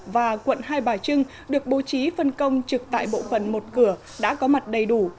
và quận hai bà trưng được bố trí phân công trực tại bộ phận một cửa đã có mặt đầy đủ